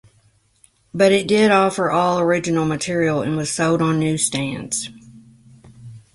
But it did offer all original material and was sold on newsstands.